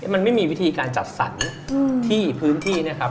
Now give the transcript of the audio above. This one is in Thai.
มันไม่มีวิธีการจัดสรรที่พื้นที่นะครับ